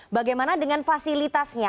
bagaimana dengan fasilitasnya